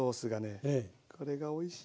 これがおいしいんです。